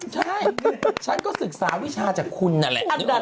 ใช่ฉันก็ศึกษาวิชาจากคุณนั่นแหละนึกออก